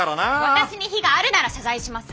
私に非があるなら謝罪します。